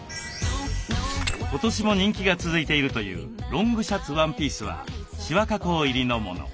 今年も人気が続いているというロングシャツワンピースはシワ加工入りのもの。